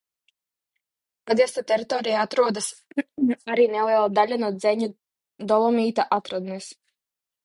Pagasta teritorijā atrodas arī neliela daļa no Dzeņu dolomīta atradnes.